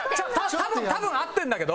多分多分合ってるんだけど。